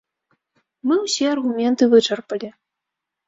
Мы ўсе аргументы вычарпалі.